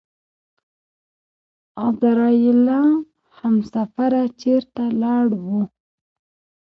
اعزرائيله همسفره چېرته لاړو؟!